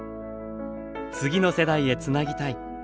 「次の世代へつなぎたい」